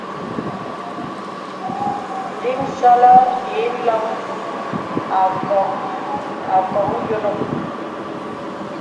Dīmə̄sɔlɔ ilom àkɔ̀n yònok.